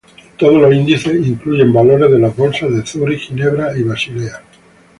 Todos los índices incluyen valores de las Bolsas de Zúrich, Ginebra y Basilea.